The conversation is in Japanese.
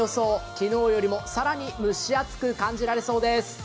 昨日よりも更に蒸し暑く感じられそうです。